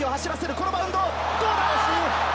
このマウンドどうだ？